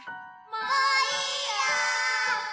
もういいよ！